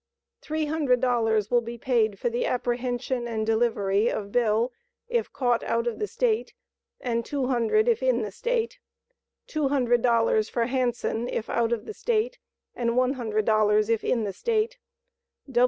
Three hundred dollars will be paid for the apprehension and delivery of Bill, if caught out of the State, and two hundred if in the State. Two hundred dollars for Hanson if out of the State, and one hundred dollars if in the State.